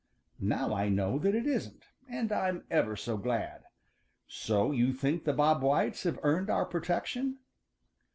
Now I know that it isn't, and I'm ever so glad. So you think the Bob Whites have earned our protection?"